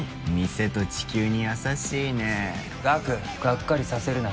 店と地球に優しいね岳がっかりさせるなよ